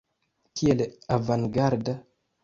Kiel avangarda!